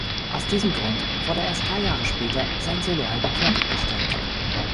Aus diesem Grund wurde erst drei Jahre später sein Soloalbum fertiggestellt.